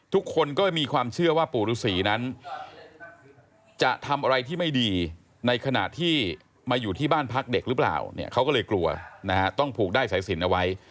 ทุกคนก็มีความเชื่อว่าปู่ฤษีนั้นจะทำอะไรที่ไม่ดีในขณะที่มาอยู่ที่บ้านพักเด็กหรือเปล่าเนี่ยเขาก็เลยกลัวนะฮะต้องผูกได้สายสินเอาไว้